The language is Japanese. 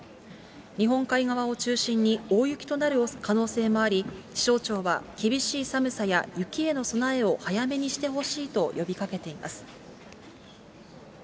日本海側を中心に大雪となる可能性もあり、気象庁は厳しい寒さや雪への備えを早めにしてほしいと呼びかけています。